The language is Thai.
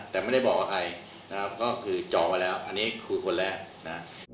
แต่ไม่ได้บอกกับใครก็คือจองมาแล้วอันนี้คือคนแรก